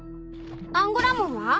アンゴラモンは？